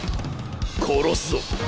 殺すぞ。